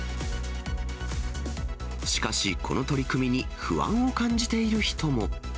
しかし、この取り組みに不安を感じている人も。